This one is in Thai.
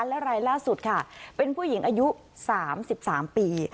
และรายล่าสุดค่ะเป็นผู้หญิงอายุ๓๓ปี